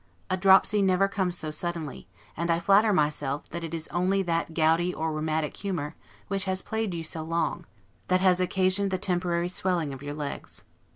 A dropsy never comes so suddenly; and I flatter myself, that it is only that gouty or rheumatic humor, which has plagued you so long, that has occasioned the temporary swelling of your legs.